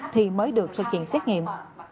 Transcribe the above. thì mới được thực hiện xét nghiệm